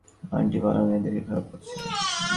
Aunty ভালো নেই দেখে খারাপ লাগছে।